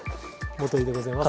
元井でございます。